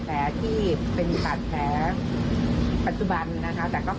แต่ตอนนี้ยังอยู่ในระหว่าง๒๓